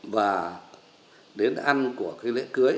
và đến ăn của cái lễ cưới